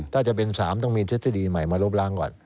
ถ้าจะเป็น๓ต้องมีทฤษฎีใหม่มาลบล้างก่อน